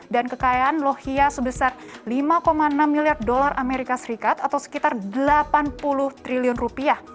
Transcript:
dan kekayaan lohia sebesar lima miliar dolar as atau setara tujuh puluh delapan triliun rupiah